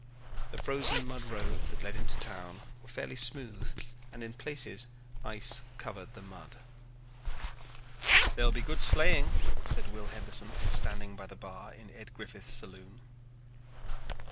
The frozen mud roads that led into town were fairly smooth and in places ice covered the mud. "There will be good sleighing," said Will Henderson, standing by the bar in Ed Griffith's saloon.